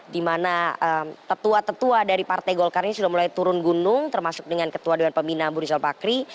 dimana tetua tetua dari partai golkar ini sudah mulai turun gunung termasuk dengan ketua dengan pembina buri soel bakri